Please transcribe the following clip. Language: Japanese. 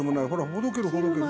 ほどけるほどける。